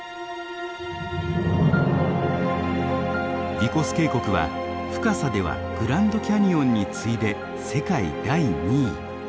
ヴィコス渓谷は深さではグランドキャニオンに次いで世界第２位。